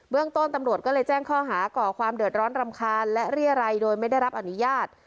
ต้นตำรวจก็เลยแจ้งข้อหาก่อความเดือดร้อนรำคาญและเรียรัยโดยไม่ได้รับอนุญาต